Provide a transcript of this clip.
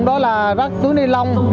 đó là rác túi ni lông